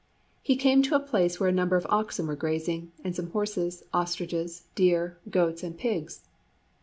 He came to a place where a number of oxen were grazing, and some horses, ostriches, deer, goats, and pigs.